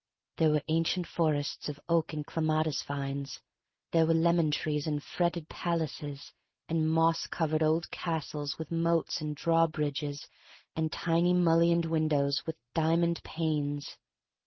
There were ancient forests of oak and clematis vines; there were lemon trees, and fretted palaces, and moss covered old castles with THE STORY OF MARY MAC LANE l8l moats and draw bridges and tiny mul lioned windows with diamond panes.